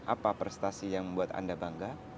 apa prestasi yang membuat anda bangga